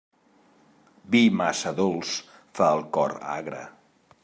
Vi massa dolç fa el cor agre.